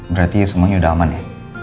jadi semuanya udah aman ya